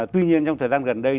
tuy nhiên trong thời gian gần đây